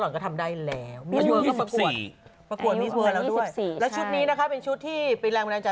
ชุดนี้นะคะเป็นชุดที่เป็นแรงบันดาลใจ